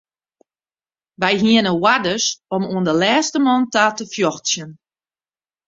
Wy hiene oarders om oan de lêste man ta te fjochtsjen.